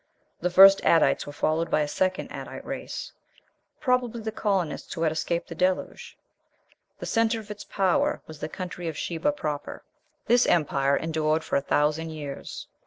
The first Adites were followed by a second Adite race; probably the colonists who had escaped the Deluge. The centre of its power was the country of Sheba proper. This empire endured for a thousand years.